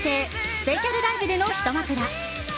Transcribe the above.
スペシャルライブでのひと幕だ。